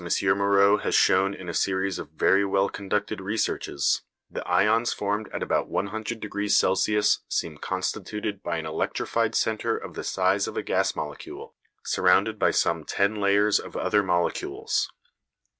Moreau has shown in a series of very well conducted researches, the ions formed at about 100°C. seem constituted by an electrified centre of the size of a gas molecule, surrounded by some ten layers of other molecules.